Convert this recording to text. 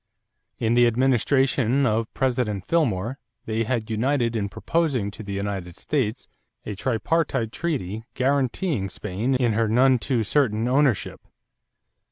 In the administration of President Fillmore they had united in proposing to the United States a tripartite treaty guaranteeing Spain in her none too certain ownership.